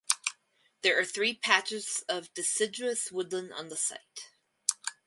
There are three patches of deciduous woodland on the site.